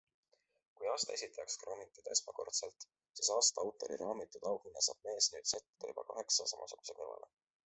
Kui aasta esitajaks krooniti ta esmakordselt, siis aasta autori raamitud auhinna saab mees nüüd sättida juba kaheksa samasuguse kõrvale.